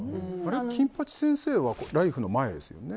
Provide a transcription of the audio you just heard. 「金八先生」は「ライフ」の前ですよね。